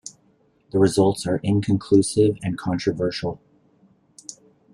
The results are inconclusive and controversial.